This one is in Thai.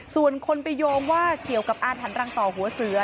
ส่วนคนไปโยงว่าเกี่ยวกับอาถรรพรังต่อหัวเสือ